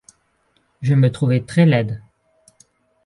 Je me trouvais très laide.